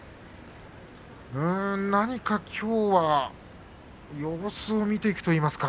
何かきょうは様子を見ていくといいますか。